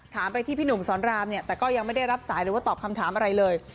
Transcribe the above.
ไปที่พี่หนุ่มสอนรามเนี่ยแต่ก็ยังไม่ได้รับสายหรือว่าตอบคำถามอะไรเลย